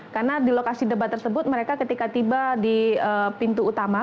karena di lokasi debat tersebut mereka ketika tiba di pintu utama